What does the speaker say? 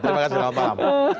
terima kasih selamat malam